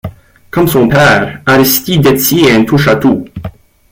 Comme son père, Aristide Dethier est un touche-à-tout.